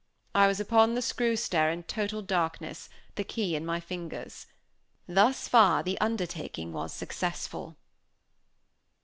I was upon the screw stair in total darkness, the key in my fingers. Thus far the undertaking was successful.